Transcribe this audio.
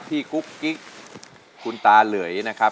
พี่กุ้กิ๊กคุณตาเหลื่อยนะครับ